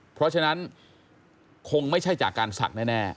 เพราะฉะนั้นคงไม่ใช่จากการศักดิ์แน่